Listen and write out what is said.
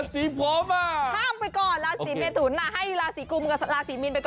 สวัสดีค่ะ